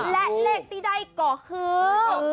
และเลขที่ได้ก็คือ